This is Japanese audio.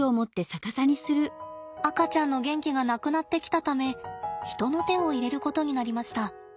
赤ちゃんの元気がなくなってきたため人の手を入れることになりました。